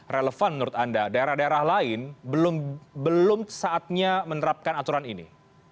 relevan menurut anda daerah daerah lain belum saatnya menerapkan aturan ini